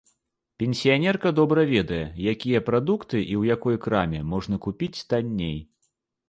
Пенсіянерка добра ведае, якія прадукты і ў якой краме можна купіць танней.